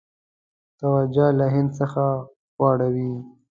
توجه له هند څخه واړوي.